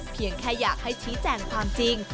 เพียงแค่อยากให้ชี้แจงความจริง